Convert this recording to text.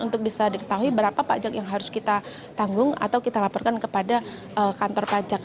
untuk bisa diketahui berapa pajak yang harus kita tanggung atau kita laporkan kepada kantor pajak